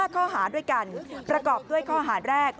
๕ข้อหาด้วยกันประกอบด้วยข้อหาแรก